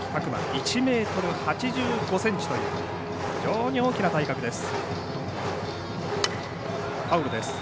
１ｍ８５ｃｍという非常に大きな体格です。